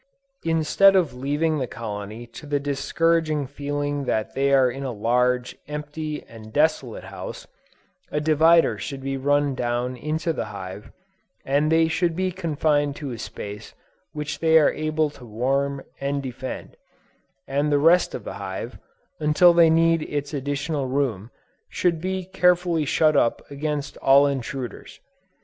Instead of leaving the colony to the discouraging feeling that they are in a large, empty and desolate house, a divider should be run down into the hive, and they should be confined to a space which they are able to warm and defend, and the rest of the hive, until they need its additional room, should be carefully shut up against all intruders.